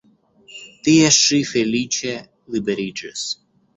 Tie ŝi feliĉe liberiĝis.